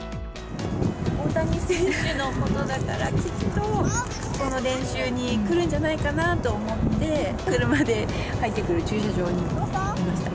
大谷選手のことだから、きっと、ここの練習に来るんじゃないかなと思って、車で入ってくる駐車場にいました。